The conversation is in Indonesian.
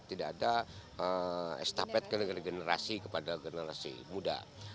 tidak ada estafet ke generasi kepada generasi muda